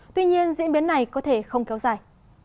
tuy nhiên diễn biến này có thể không kéo dài